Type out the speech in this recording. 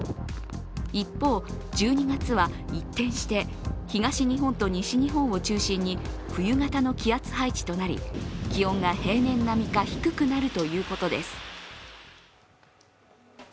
一方、１２月は、一転して東日本と西日本を中心に冬型の気圧配置となり、気温が平年並みか低くなるということです。